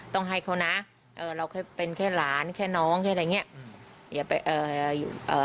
ต้องให้เขานะเราเป็นแค่หลานแค่น้องแค่อะไรอย่างนี้